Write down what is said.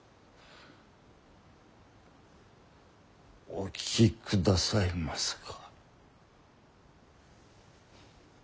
お聞きくださいますか？